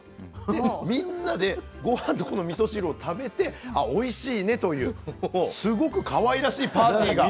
でみんなで御飯とこのみそ汁を食べてあおいしいねというすごくかわいらしいパーティーが。